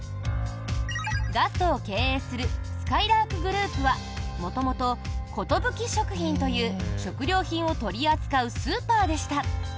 ガストを経営するすかいらーくグループは元々、ことぶき食品という食料品を取り扱うスーパーでした。